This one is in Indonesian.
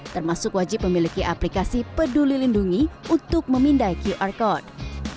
termasuk wajib memiliki aplikasi peduli lindungi untuk memindai qr code